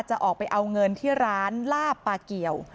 จะออกไปเอาเงินที่ร้านลาบปลาเกี่ยว